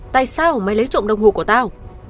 tại sao mày lấy trộm đồng hồ của tao